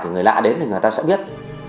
người lạ đến thì người ta sẽ biết